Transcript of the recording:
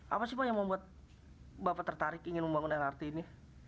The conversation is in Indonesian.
apa sih pak yang membuat bapak tertarik ingin membangun lrt ini